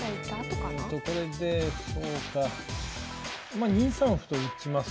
まあ２三歩と打ちます。